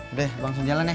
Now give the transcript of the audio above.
udah langsung jalan ya